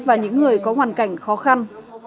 và những người có hoàn cảnh khó khăn